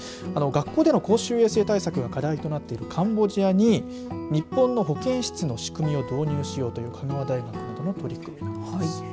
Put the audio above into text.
学校での公衆衛生対策が課題となっているカンボジアに日本の保険室の仕組みを導入しようという香川大学との取り組みなんですね。